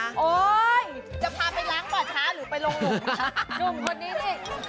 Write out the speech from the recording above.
โอ้ยจะพาไปล้างป่าช้าหรือไปลงหลุม